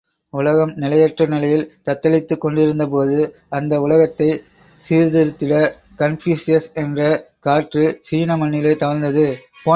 உலகம் நிலையற்ற நிலையில் தத்தளித்துக் கொண்டிருந்தபோது அந்த உலகத்தைச் சீர்த்திருத்திட கன்பூசியஸ் என்ற காற்று சீன மண்ணிலே தவழ்ந்தது.